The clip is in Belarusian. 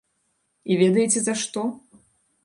І ведаеце за што?